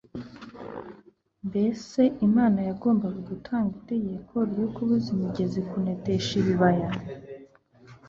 Mbese Imana yagombaga gutanga itegeko ryo kubuza imigezi kunetesha ibibaya